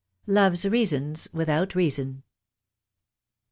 "Love's reason's without reason."